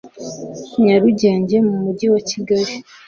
Nyarugenge mu mujyi wa Kigali